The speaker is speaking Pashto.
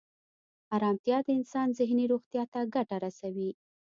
ارامتیا د انسان ذهني روغتیا ته ګټه رسوي.